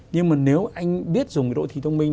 nhưng mà nếu anh biết dùng cái đô thị thông minh